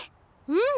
うん！